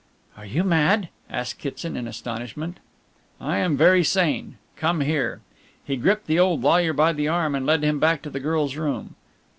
"Are you mad?" asked Kitson in astonishment. "I am very sane. Come here!" He gripped the old lawyer by the arm and led him back to the girl's room.